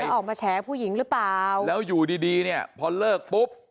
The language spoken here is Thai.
ออกมาแฉผู้หญิงหรือเปล่าแล้วอยู่ดีดีเนี่ยพอเลิกปุ๊บ